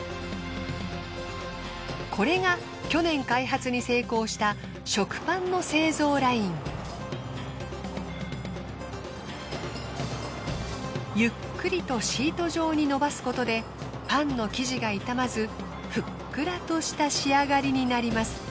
これがゆっくりとシート状に伸ばすことでパンの生地が傷まずふっくらとした仕上がりになります。